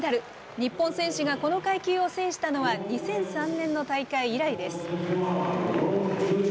日本選手がこの階級を制したのは、２００３年の大会以来です。